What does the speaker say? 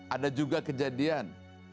ada juga kejadian